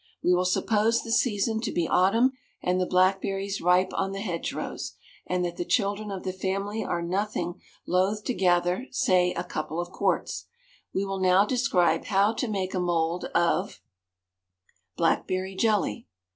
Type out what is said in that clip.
We will suppose the season to be autumn and the blackberries ripe on the hedgerows, and that the children of the family are nothing loth to gather, say, a couple of quarts. We will now describe how to make a mould of BLACKBERRY JELLY.